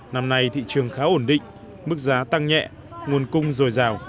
năm nay thị trường khá ổn định mức giá tăng nhẹ nguồn cung dồi dào